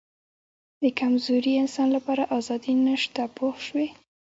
د کمزوري انسان لپاره آزادي نشته پوه شوې!.